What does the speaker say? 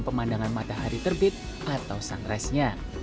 pemandangan matahari terbit atau sunrisenya